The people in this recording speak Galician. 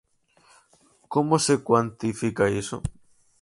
Como se cuantifica iso?